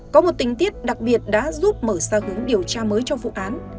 có một tình tiết đặc biệt đã giúp mở ra hướng điều tra mới cho vụ án